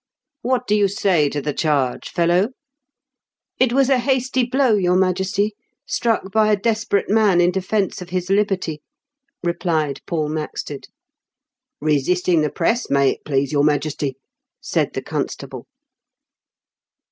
"What do you say to the charge, fellow ?"" It was a hasty blow, your Majesty, struck by a desperate man in defence of his liberty," replied Paul Maxted. " Resisting the press, may it please your Majesty," said the constable.